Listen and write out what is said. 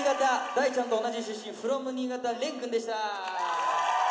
大ちゃんと同じ出身ｆｒｏｍ新潟れんくんでした！